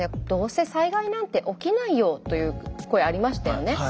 「どうせ災害なんて起きないよ」という声ありましたよね？